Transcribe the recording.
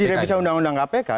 di revisi undang undang kpk